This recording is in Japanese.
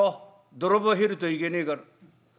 泥棒入るといけねえから。